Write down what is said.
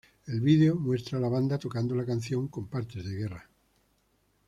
El vídeo muestra a la banda tocando al canción con partes de guerra.